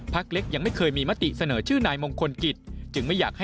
พักเล็กยังไม่เคยมีมติเสนอชื่อนายมงคลกิจ